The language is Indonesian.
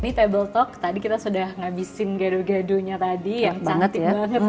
ini table talk tadi kita sudah ngabisin gaduh gaduhnya tadi yang cantik banget